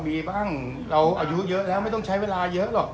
มีบ้างเราอายุเยอะแล้วไม่ต้องใช้เวลาเยอะหรอก